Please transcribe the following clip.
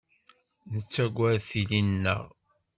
Nettaggad tili-nneɣ.